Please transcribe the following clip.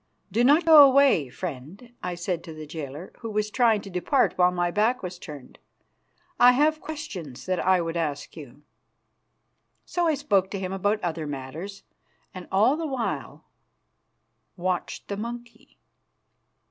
"Do not go away, friend," I said to the jailer, who was trying to depart while my back was turned. "I have questions that I would ask you." So I spoke to him about other matters, and all the while watched the monkey.